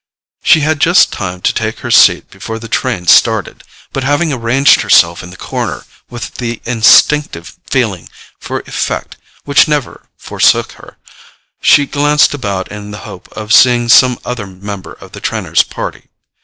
She had just time to take her seat before the train started; but having arranged herself in her corner with the instinctive feeling for effect which never forsook her, she glanced about in the hope of seeing some other member of the Trenors' party.